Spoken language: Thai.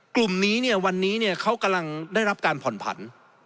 กลุ่มนี้เนี่ยวันนี้เขากำลังได้รับการผ่อนผัน